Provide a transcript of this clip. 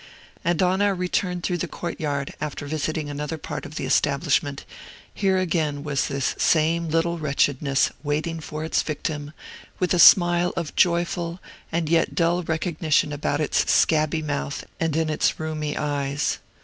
And on our return through the court yard, after visiting another part of the establishment, here again was this same little Wretchedness waiting for its victim, with a smile of joyful, and yet dull recognition about its scabby mouth and in its rheumy eyes.